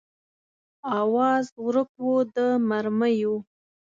آواز ورک و د مرمیو